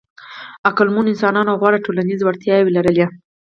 عقلمنو انسانانو غوره ټولنیزې وړتیاوې لرلې.